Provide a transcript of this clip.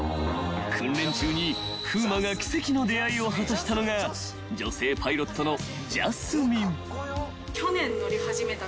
［訓練中に風磨が奇跡の出会いを果たしたのが女性パイロットのジャスミン］